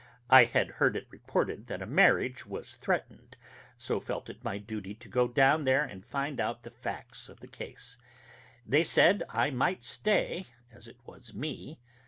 I had heard it reported that a marriage was threatened, so felt it my duty to go down there and find out the facts of the case. They said I might stay, as it was me....